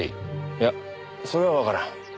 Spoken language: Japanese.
いやそれはわからん。